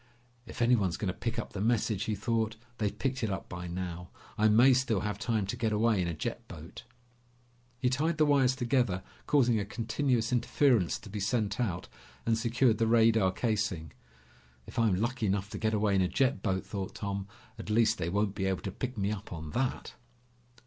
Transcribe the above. "If anyone's going to pick up the message," he thought, "they've picked it up by now. I may still have time to get away in a jet boat." He tied the wires together, causing a continuous interference to be sent out, and secured the radar casing. "If I'm lucky enough to get away in a jet boat," thought Tom, "at least they won't be able to pick me up on that!"